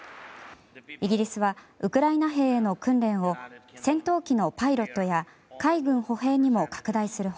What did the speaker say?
イギリスはウクライナ兵への訓練を戦闘機のパイロットや海軍歩兵にも拡大する他